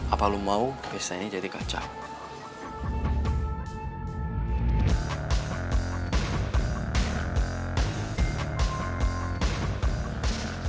atau lo mau pesta ini jadi kacau